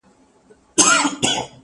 o هم بوره، هم بد نامه!